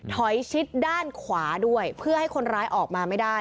ชิดด้านขวาด้วยเพื่อให้คนร้ายออกมาไม่ได้